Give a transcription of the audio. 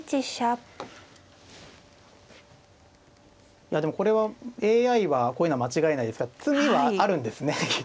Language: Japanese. いやでもこれはＡＩはこういうのは間違えないですから詰みはあるんですねきっと。